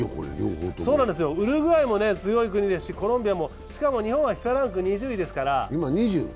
ウルグアイも強い国ですしコロンビアも、しかも日本はＦＩＦＡランク２０位ですから。